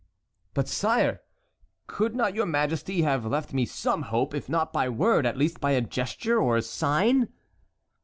"But, sire, could not your majesty have left me some hope, if not by word, at least by a gesture or sign?"